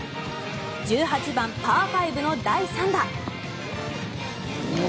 １８番、パー５の第３打。